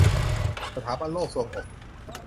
สถาบันโรคทรวงอก